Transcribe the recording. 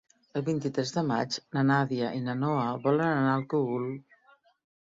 El vint-i-tres de maig na Nàdia i na Noa volen anar al Cogul.